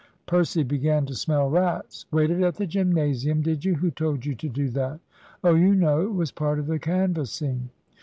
Percy began to smell rats. "Waited at the gymnasium, did you? Who told you to do that?" "Oh, you know it was part of the canvassing."